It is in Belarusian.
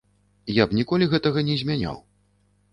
Я б ніколі гэтага не змяняў.